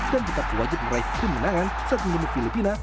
dan tetap wajib meraih kemenangan saat menemukan filipina